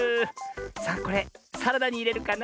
さあこれサラダにいれるかな？